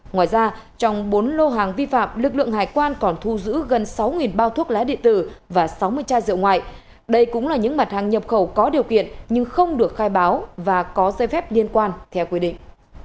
ngoài ra trong bốn lô hàng vi phạm lực lượng hải quan còn thu giữ gần sáu bao thuốc lá địa tử và sáu mươi chai rượu ngoại đây cũng là những mặt hàng nhập khẩu có điều kiện nhưng không được khai báo và có dây phép liên quan theo quy định